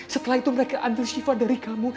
setelah itu mereka ambil sifat dari kamu